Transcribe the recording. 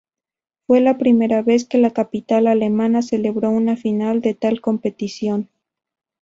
Fue la primera vez que la capital alemana celebró una final de tal competición.